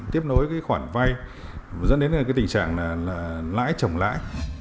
tiếp nối cái khoản vay dẫn đến cái tình trạng là lãi trồng lãi